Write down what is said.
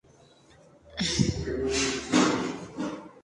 Pero la transición española le decepciona, se siente fuera de lugar.